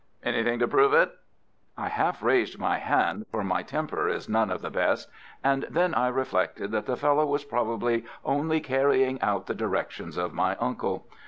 "Anything to prove it?" I half raised my hand, for my temper is none of the best, and then I reflected that the fellow was probably only carrying out the directions of my uncle.